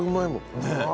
ねえ。